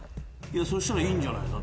そしたらいいんじゃない？